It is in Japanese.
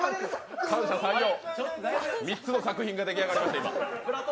３つの作品が今、出来上がりました。